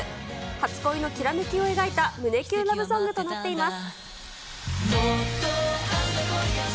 初恋のきらめきを描いた胸キュンラブソングとなっています。